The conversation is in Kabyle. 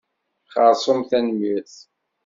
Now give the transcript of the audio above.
Xeṛṣum tanemmirt.